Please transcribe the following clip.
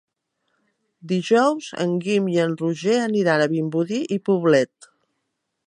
Dijous en Guim i en Roger aniran a Vimbodí i Poblet.